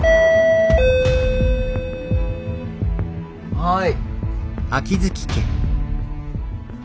はい。